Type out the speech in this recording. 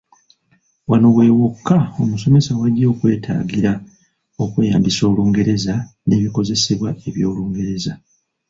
Wano we wokka omusomesa w'ajja okwetaagira okweyambisa Olungereza n’ebikozesebwa eby’Olungereza.